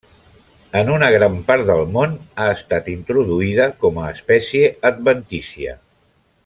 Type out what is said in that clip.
En una gran part del món ha estat introduïda com a espècie adventícia.